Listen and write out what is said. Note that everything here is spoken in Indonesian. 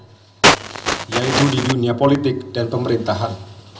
dan era dan era yang terwujud di dunia politik dan pemerintahan